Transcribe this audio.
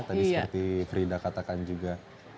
tadi seperti frida katakan juga